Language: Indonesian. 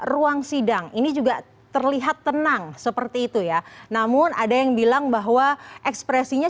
ruang sidang ini juga terlihat tenang seperti itu ya namun ada yang bilang bahwa ekspresinya